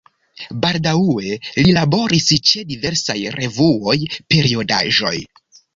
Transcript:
Baldaŭe li laboris ĉe diversaj revuoj, periodaĵoj.